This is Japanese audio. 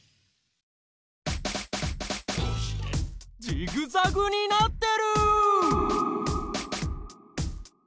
ジグザグになってる！？